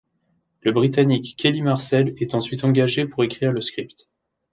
La Britannique Kelly Marcel est ensuite engagée pour écrire le script.